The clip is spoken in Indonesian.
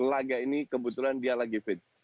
laga ini kebetulan dia lagi fit